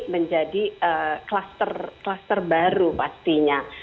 menjadi kluster baru pastinya